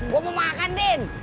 gue mau makan din